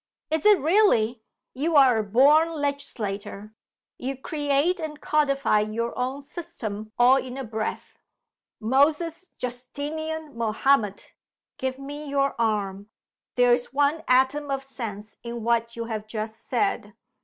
"Is it, really? You are a born legislator. You create and codify your own system all in a breath. Moses Justinian Mahomet, give me your arm! There is one atom of sense in what you have just said.